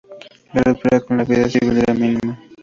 La ruptura con la vida civil era mínima.